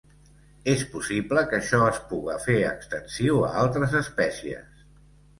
És possible que això es puga fer extensiu a altres espècies.